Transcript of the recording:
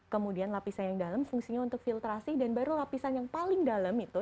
kemudian lapisan yang dalam fungsinya untuk filtrasi dan baru lapisan yang paling dalam itu